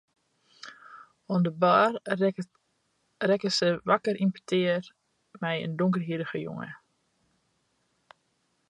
Oan de bar rekket hja wakker yn petear mei in donkerhierrige jonge.